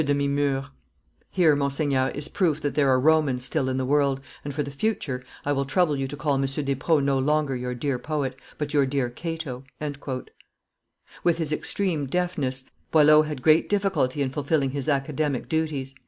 de Mimeure. Here, monseigneur, is proof that there are Romans still in the world, and, for the future, I will trouble you to call M. Despreaux no longer your dear poet, but your dear Cato." With his extreme deafness, Boileau had great difficulty in fulfilling his Academic duties.